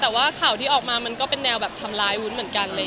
แต่ว่าข่าวที่ออกมามันก็เป็นแนวแบบทำร้ายวุ้นเหมือนกัน